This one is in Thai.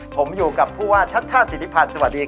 ผมอยู่กับผู้ว่าชัชชาศิริพรสวัสดีครับ